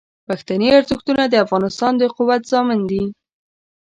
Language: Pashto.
پښتني ارزښتونه د افغانستان د قوت ضامن دي.